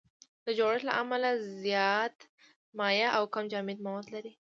د جوړښت له امله زیات مایع او کم جامد مواد لري.